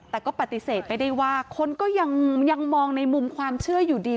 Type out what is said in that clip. แต่ก็ปฏิเสธไม่ได้ว่าคนก็ยังมองในมุมความเชื่ออยู่ดี